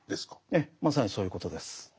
ええまさにそういうことです。